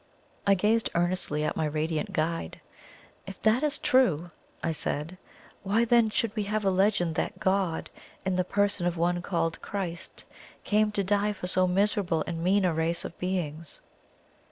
I gazed earnestly at my radiant guide. "If that is true," I said, "why then should we have a legend that God, in the person of one called Christ, came to die for so miserable and mean a race of beings?"